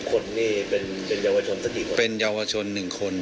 หากผู้ต้องหารายใดเป็นผู้กระทำจะแจ้งข้อหาเพื่อสรุปสำนวนต่อพนักงานอายการจังหวัดกรสินต่อไป